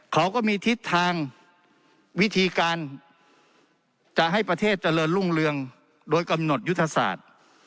เขาก็มีทิศทางวิธีการจะให้ประเทศเจริญรุ่งเรืองโดยกำหนดยุทธศาสตร์